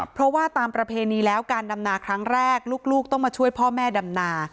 เพราะว่าตามประเพณีแล้วการดำนาครั้งแรกลูกต้องมาช่วยพ่อแม่ดำนา